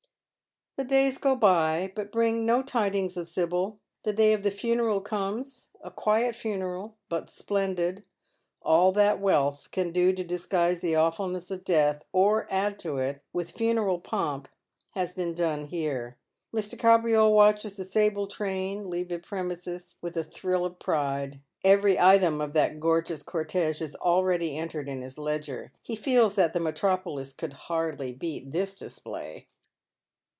The days go by, but bring no tidings of Sibyl. The day of tbe funeral comes, a quiet funeral, but splendid. All that wealtli can do to disguise the awfulness of death — or to add to it — with funeral pomp, has been done here. Mr. Kabriole watches the sable train leave his premises with a thrill of pride. Evpfv item of tliat gorgeous corteqe is already entered in his ledger. Ho feels that the metropolis could hardly beat this display.